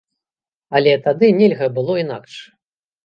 Але тады нельга было інакш.